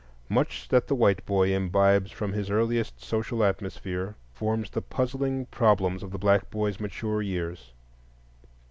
Much that the white boy imbibes from his earliest social atmosphere forms the puzzling problems of the black boy's mature years.